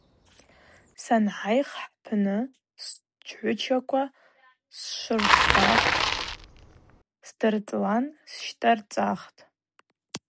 Сангӏайх хӏпны счгӏвычаква сшвырхӏвахтӏ, сдыртӏлан сщтӏарцӏатӏ.